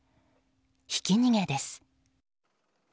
ひき逃げです。